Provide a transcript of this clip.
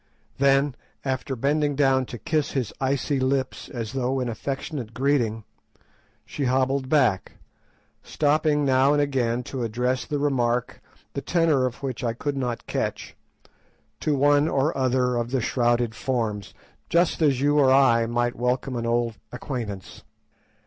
Then, after bending down to kiss his icy lips as though in affectionate greeting, she hobbled back, stopping now and again to address the remark, the tenor of which I could not catch, to one or other of the shrouded forms, just as you or I might welcome an old acquaintance.